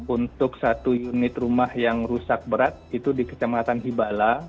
untuk satu unit rumah yang rusak berat itu di kecamatan hibala